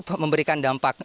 ini tidak memberikan dampak